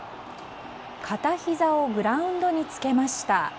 片ひざをグラウンドにつけました。